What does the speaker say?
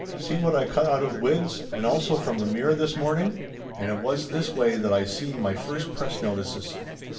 "See what I cut out of Wid's and also from the Mirror this morning!" And it was this way that I seen my first press no tices.